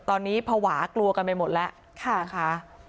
ตอนนี้ภาวะกลัวกันไปหมดแล้วนะคะ